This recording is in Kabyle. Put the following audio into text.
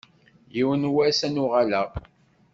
Yiwen n wass ad n-uɣaleɣ.